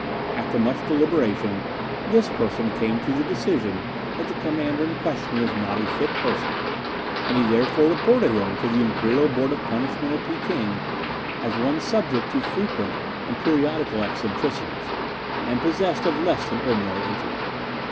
After much deliberation, this person came to the decision that the Commander in question was not a fit person, and he therefore reported him to the Imperial Board of Punishment at Peking as one subject to frequent and periodical eccentricities, and possessed of less than ordinary intellect.